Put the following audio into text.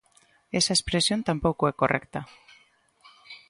Esa expresión tampouco é correcta.